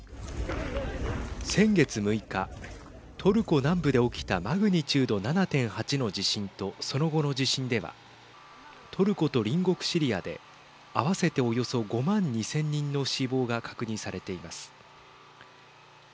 先月６日、トルコ南部で起きたマグニチュード７．８の地震とその後の地震ではトルコと隣国シリアで合わせておよそ５万２０００人の死亡が確認されています。